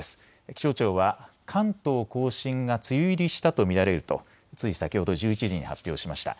気象庁は関東甲信が梅雨入りしたと見られるとつい先ほど１１時に発表しました。